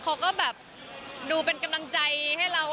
เขาก็แบบดูเป็นกำลังใจให้เรา